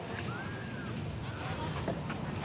สวัสดีครับทุกคน